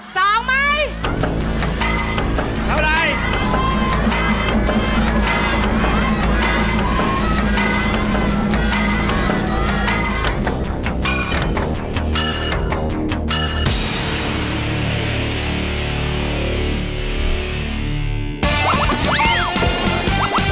ใจเย็นใจเย็นแม่ใจเย็น